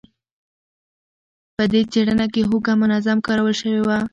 په دې څېړنه کې هوږه منظم کارول شوې وه.